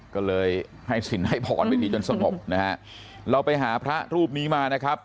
ก็เลยให้สินให้พรไปทีจนสงบนะฮะเราไปหาพระรูปนี้มานะครับ